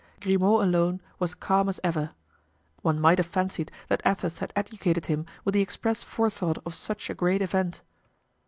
Grimaud alone was calm as ever. One might have fancied that Athos had educated him with the express forethought of such a great event.